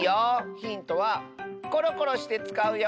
ヒントはコロコロしてつかうよ。